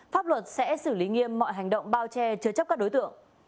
pháp luật sẽ xử lý nghiêm mọi hành động bao che chứa chấp các đối tượng